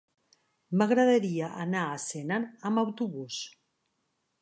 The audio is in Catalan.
M'agradaria anar a Senan amb autobús.